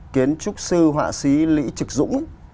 kiến trúc sư họa sĩ lý trực dũng